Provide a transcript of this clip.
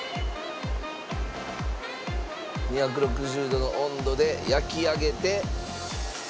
２６０度の温度で焼き上げて。